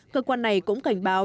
cơ quan này cũng cảnh báo